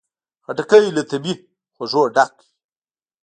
خټکی له طبیعي خوږو ډک وي.